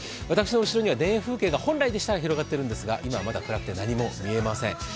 私の後ろには田園風景が本来でしたら広がっているんですが今はまだ暗くて何も見えません。